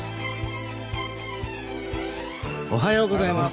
おはようございます。